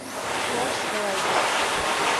ސްޕޯރޓްސް ސުޕަރވައިޒަރ